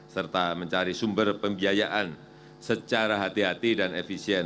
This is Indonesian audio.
serta mencari sumber pembiayaan secara hati hati dan efisien